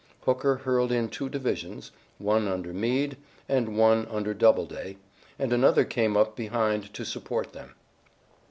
Hooker hurled in two divisions, one under Meade, and one under Doubleday, and another came up behind to support them.